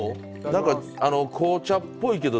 何か紅茶っぽいけど。